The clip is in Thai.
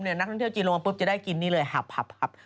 เดี๋ยวนักท่านเที่ยวจีนลงมาปุ๊บจะได้กินนี่เลยหับ